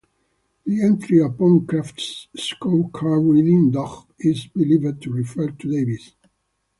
The entry upon Kraft's scorecard reading "Dog" is believed to refer to Davis.